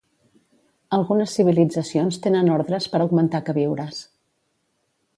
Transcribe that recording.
Algunes civilitzacions tenen ordres per augmentar queviures.